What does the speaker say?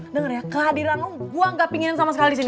dengar ya kehadiran lo gue gak pingin sama sekali disini